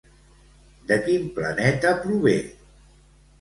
De quin planeta prové?